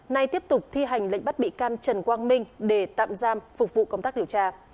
nay tiếp tục thi hành lệnh bắt bị can trần quang minh để tạm giam phục vụ công tác điều tra